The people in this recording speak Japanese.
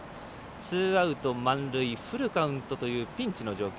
ツーアウト、満塁フルカウントというピンチの状況。